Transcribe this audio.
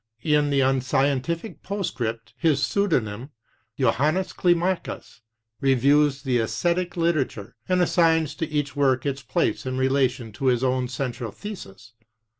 In the Unscientific Postscript, his pseudonym, Johannes Clima cus, reviews the esthetic literature, and assigns to each work its place in relation to his own central thesis.